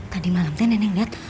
tadi malam neneng liat